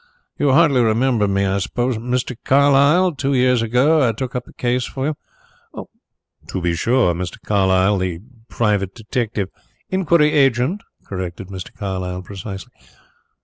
"You hardly remember me, I suppose? Mr. Carlyle two years ago I took up a case for you " "To be sure. Mr. Carlyle, the private detective " "Inquiry agent," corrected Mr. Carlyle precisely.